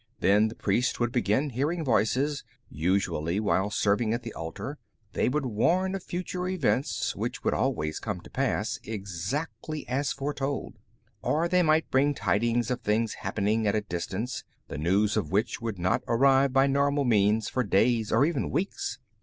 Then the priest would begin hearing voices, usually while serving at the altar. They would warn of future events, which would always come to pass exactly as foretold. Or they might bring tidings of things happening at a distance, the news of which would not arrive by normal means for days or even weeks.